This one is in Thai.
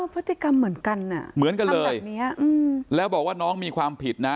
พฤติกรรมเหมือนกันอ่ะเหมือนกันเลยแล้วบอกว่าน้องมีความผิดนะ